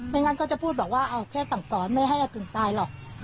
งั้นก็จะพูดบอกว่าเอาแค่สั่งสอนไม่ให้ถึงตายหรอก